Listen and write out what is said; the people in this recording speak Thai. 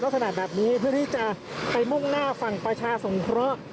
ขนาดแบบนี้เพื่อที่จะไปมุ่งหน้าฝั่งประชาสงเคราะห์